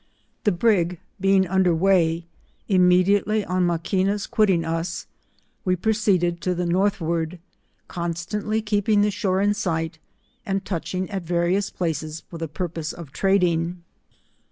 The brig being under weigh, immediately on Maquiua's quitting us, we proceeded to the north ward, constantly keeping the shore in sight, and touching at various places for the purpose of trading.